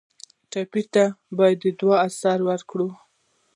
ټپي ته باید د دعا اثر ورکړو.